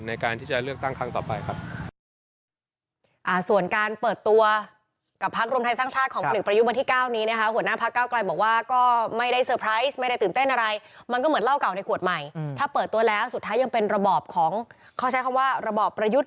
ในการที่จะเลือกตั้งครั้งต่อไปครับ